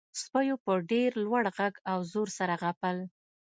سپیو په ډیر لوړ غږ او زور سره غپل